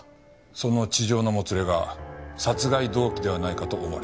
その痴情のもつれが殺害動機ではないかと思われた。